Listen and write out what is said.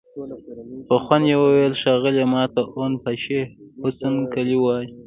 په خوند يې وويل: ښاغليه! ماته اون باشي حسن قلي وايه!